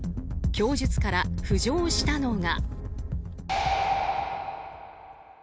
供述から浮上したのが。